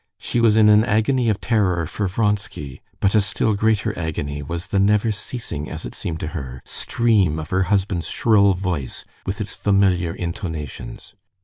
She was in an agony of terror for Vronsky, but a still greater agony was the never ceasing, as it seemed to her, stream of her husband's shrill voice with its familiar intonations.